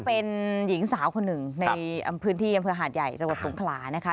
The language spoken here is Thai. เป็นหญิงสาวคนหนึ่งในพื้นที่อำเภอหาดใหญ่จังหวัดสงขลานะคะ